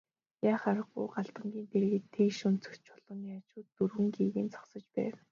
Яах аргагүй Галдангийн дэргэд тэгш өнцөгт чулууны хажууд өндөр гэгээн зогсож байв.